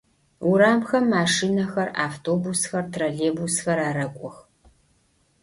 Урамхэм машинэхэр, автобусхэр, троллейбусхэр арэкӏох.